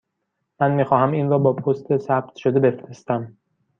من می خواهم این را با پست ثبت شده بفرستم.